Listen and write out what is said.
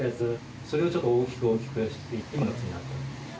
それをちょっと大きく大きくしていって今の形になった。